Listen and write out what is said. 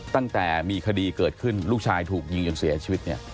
ตั้งแต่มีคดีเกิดขึ้นลูกชายถูกยิงจนเสียชีวิตเนี่ย